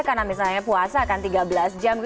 karena misalnya puasa kan tiga belas jam